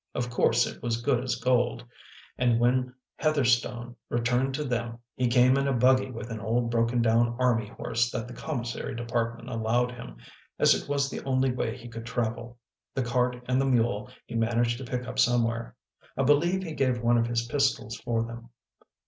Of course it was as good as gold. And when Heather stone returned to them he came in a buggy with an old broken down army horse that the commissary depart ment allowed him, as it was the only way he could travel. The cart and the mule he managed to pick up somewhere ; I believe he gave one of his pistols for them."